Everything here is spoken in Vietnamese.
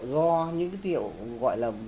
do những tư liệu gọi là